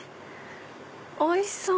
おいしそう！